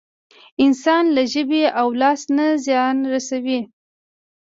انسان له ژبې او لاس نه زيان رسوي.